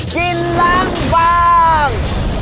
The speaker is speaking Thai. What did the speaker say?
กินล้างบาง